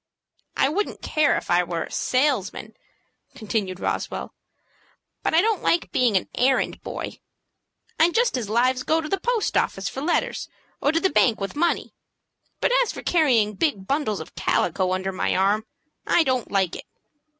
"I wouldn't care if I were a salesman," continued Roswell; "but I don't like being an errand boy. I'd just as lives go to the post office for letters, or to the bank with money, but, as for carrying big bundles of calico under my arm, I don't like it.